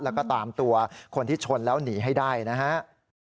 แล้วก็ตามตัวคนที่ชนแล้วหนีให้ได้นะฮะ